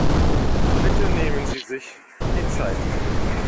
Bitte nehmen sie sich die Zeit.